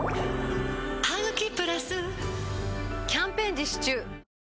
「ハグキプラス」キャンペーン実施中